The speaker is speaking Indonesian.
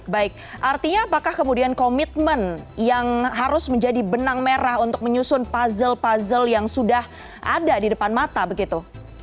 baik artinya apakah kemudian komitmen yang harus menjadi benang merah untuk menyusun puzzle puzzle yang sudah ada di depan mata begitu